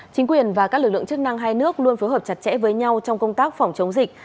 chính quyền và các lực lượng chức năng hai nước luôn phối hợp chặt chẽ với nhau trong công tác phòng chống dịch